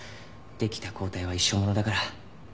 できた抗体は一生ものだから。